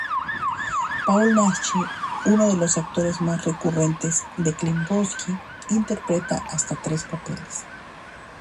Paul Naschy, uno de los actores más recurrentes de Klimovsky, interpreta hasta tres papeles.